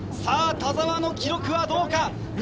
さぁ、田澤の記録はどうか。